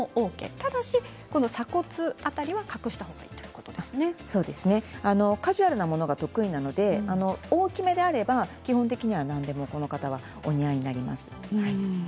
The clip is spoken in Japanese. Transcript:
ただし鎖骨の辺りは隠した方がカジュアルなものが得意なので大きめであれば基本的には何でもこの方はお似合いになります。